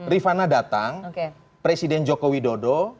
rifana datang presiden jokowi dodo